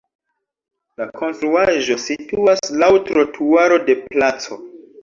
La konstruaĵo situas laŭ trotuaro de placo.